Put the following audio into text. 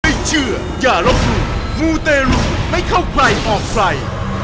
ไม่เชื่ออย่ารบมูมูเตรุไม่เข้าใกล้ออกฝ่าย